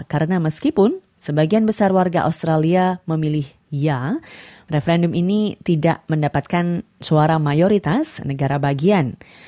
karena meskipun sebagian besar warga australia memilih ya referendum ini tidak mendapatkan suara mayoritas negara bagian